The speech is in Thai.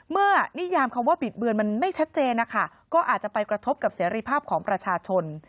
นิยามคำว่าบิดเบือนมันไม่ชัดเจนนะคะก็อาจจะไปกระทบกับเสรีภาพของประชาชน